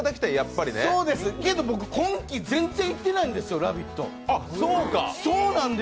けど僕、今季、全然行ってないんですよ、「ラヴィット！」。